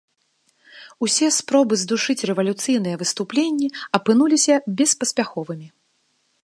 Усе спробы здушыць рэвалюцыйныя выступленні апынуліся беспаспяховымі.